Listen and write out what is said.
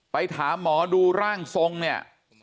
ไปถามหมอดูร่างทรงเนี่ย